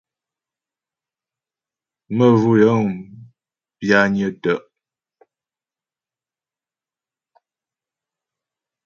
Məvʉ́ yə̂ŋ bwányə́ tə́'.